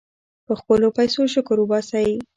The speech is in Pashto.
په خپلو پیسو شکر وباسئ.